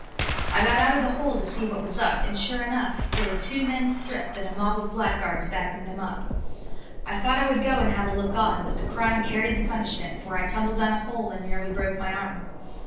I got out of the hole to see what was up, and sure enough there were two men stripped, and a mob of blackguards backing them up. I thought I would go and have a look on, but the crime carried the punishment, for I tumbled down a hole and nearly broke my arm.